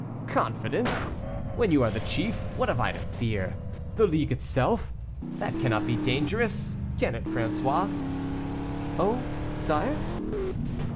"Confidence! When you are the chief, what have I to fear? The League itself? That cannot be dangerous can it, François?" "Oh, sire?"